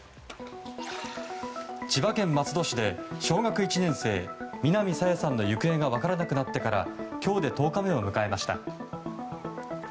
千葉県松戸市で小学１年生、南朝芽さんの行方が分からなくなってから今日で１０日目を迎えました。